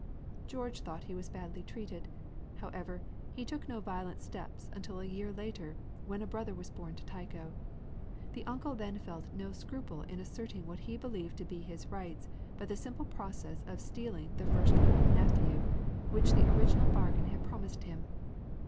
George thought he was badly treated. However, he took no violent steps until a year later, when a brother was born to Tycho. The uncle then felt no scruple in asserting what he believed to be his rights by the simple process of stealing the first born nephew, which the original bargain had promised him.